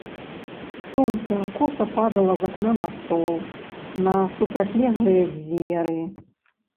Сонца коса падала з акна на стол, на супрацьлеглыя дзверы.